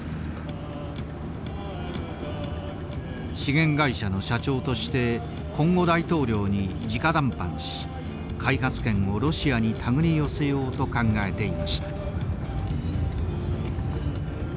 資源会社の社長としてコンゴ大統領にじか談判し開発権をロシアに手繰り寄せようと考えていました。